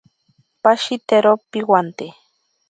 Pashitero piwante.